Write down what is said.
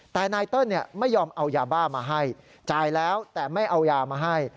แต่นายเติ้ลไม่ยอมเอายาบ้ามาให้จ่ายแล้วแต่ไม่เอายามาให้